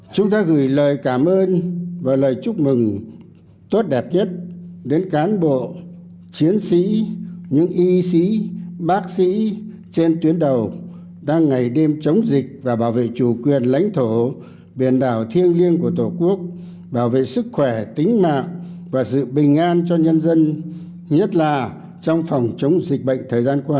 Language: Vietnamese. chúng ta gửi lời cảm ơn và lời chúc mừng tốt đẹp nhất đến cán bộ chiến sĩ những y sĩ bác sĩ trên tuyến đầu đang ngày đêm chống dịch và bảo vệ chủ quyền lãnh thổ biển đảo thiêng liêng của tổ quốc bảo vệ sức khỏe tính mạng và sự bình an cho nhân dân nhất là trong phòng chống dịch bệnh thời gian qua